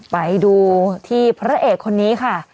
ไปดูที่พระเอกคนนี้ค่ะ